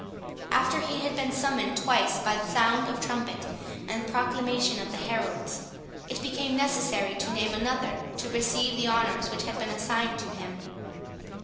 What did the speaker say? After he had been summoned twice by sound of trumpet, and proclamation of the heralds, it became necessary to name another to receive the honours which had been assigned to him.